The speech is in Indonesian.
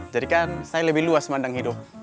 jadi kan saya lebih luas mandang hidup